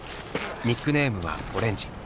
ニックネームは「オレンジ」。